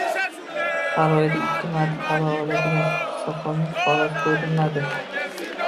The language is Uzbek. Har oyda ikki marta xabar oladigan oqsoqolning qorasi koʻrinmadi.